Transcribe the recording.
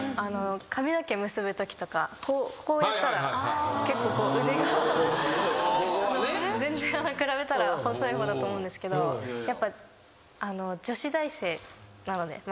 髪の毛結ぶときとかこうやったら結構腕が。全然比べたら細い方だと思うんですけど女子大生なので周りがみんなもう。